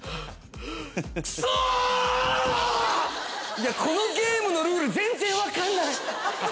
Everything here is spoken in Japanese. いやこのゲームのルール全然わかんない。